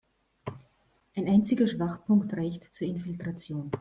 Ein einziger Schwachpunkt reicht zur Infiltration.